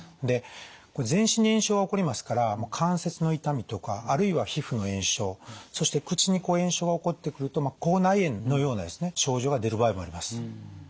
で全身に炎症が起こりますから関節の痛みとかあるいは皮膚の炎症そして口に炎症が起こってくると口内炎のようなですね症状が出る場合もあります。